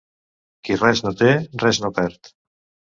Qui res no té, res no perd.